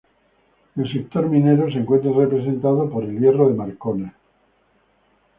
El sector minero se encuentra representado por el hierro de Marcona.